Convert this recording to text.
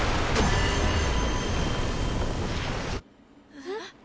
えっ？